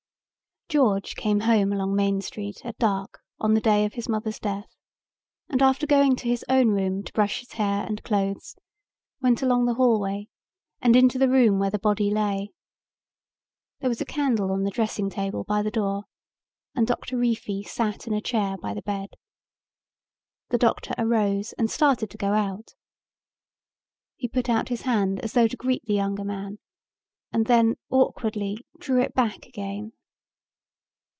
George came home along Main Street at dark on the day of his mother's death and, after going to his own room to brush his hair and clothes, went along the hallway and into the room where the body lay. There was a candle on the dressing table by the door and Doctor Reefy sat in a chair by the bed. The doctor arose and started to go out. He put out his hand as though to greet the younger man and then awkwardly drew it back again.